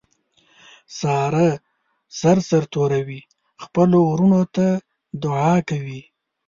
ساره سر سرتوروي خپلو ورڼو ته دعاکوي.